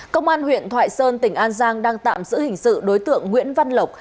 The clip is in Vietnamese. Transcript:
công an huyện thoại sơn tỉnh an giang đang tạm giữ hình sự đối tượng nguyễn văn lộc